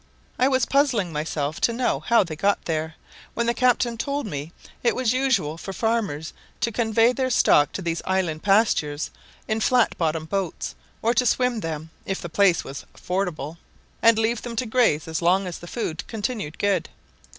I was puzzling myself to know how they got there, when the captain told me it was usual for farmers to convey their stock to these island pastures in flat bottomed boats, or to swim them, if the place was fordable, and leave them to graze as long as the food continued good.